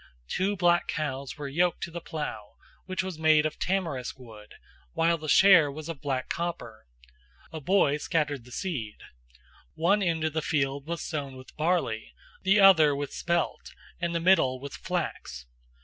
Two black cows were yoked to the plough, which was made of tamarisk wood, while the share was of black copper. A boy scattered the seed. One end of the field was sown with barley, the other with spelt, and the middle with flax.